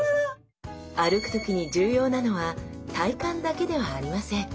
歩く時に重要なのは体幹だけではありません。